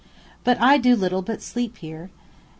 But I do little but sleep here.